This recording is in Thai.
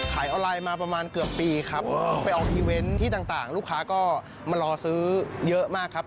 ขายออนไลน์มาประมาณเกือบปีครับไปออกอีเวนต์ที่ต่างลูกค้าก็มารอซื้อเยอะมากครับ